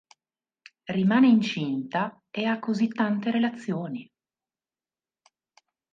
Rimane incinta e ha così tante relazioni.